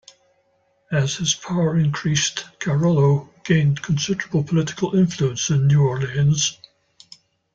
As his power increased, Carollo gained considerable political influence in New Orleans.